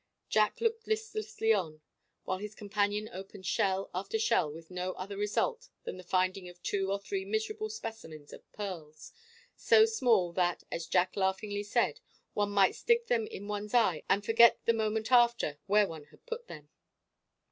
Jack looked listlessly on, while his companion opened shell after shell with no other result than the finding of two or three miserable specimens of pearls, so small that, as Jack laughingly said, "one might stick them in ones eye and forget the moment after where one had put them."